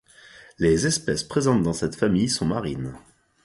Les espèces présentes dans cette famille sont marines.